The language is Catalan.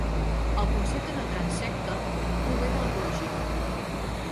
El concepte de transsecte prové de l'ecologia.